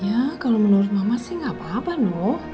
ya kalau menurut mama sih gak apa apa noh